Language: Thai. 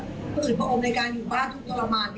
ตัวตื่นพระอมในการอยู่บ้านทุกข์ประมาณ